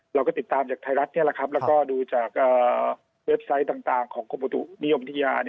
เราก็ติดตามจากไทยรัฐนี่แหละครับแล้วก็ดูจากเว็บไซต์ต่างของกรมอุตุนิยมวิทยา